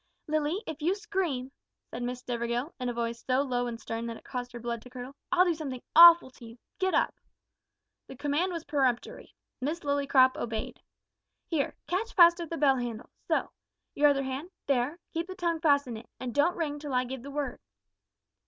"Lilly, if you scream," said Miss Stivergill, in a voice so low and stern that it caused her blood to curdle, "I'll do something awful to you. Get up!" The command was peremptory. Miss Lillycrop obeyed. "Here, catch hold of the bell handle so. Your other hand there keep the tongue fast in it, and don't ring till I give the word."